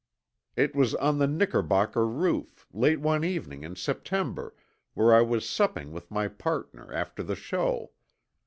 It was on the Knickerbocker Roof, late one evening in September, where I was supping with my partner after the show.